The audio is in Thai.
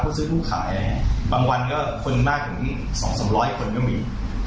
ผู้ซื้อผู้ขายบางวันคนมากถึงสองสามร้อยคนก็มี